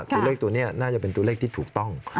ตัวเลขตัวนี้น่าจะเป็นตัวเลขที่ถูกต้อง